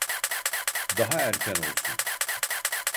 Daha erken olsun